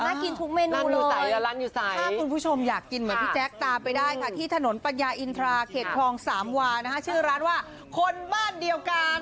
กินทุกเมนูถ้าคุณผู้ชมอยากกินเหมือนพี่แจ๊คตามไปได้ค่ะที่ถนนปัญญาอินทราเขตคลองสามวานะคะชื่อร้านว่าคนบ้านเดียวกัน